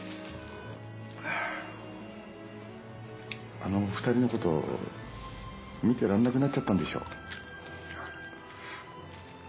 あの２人のこと見てらんなくなっちゃったんでしょう？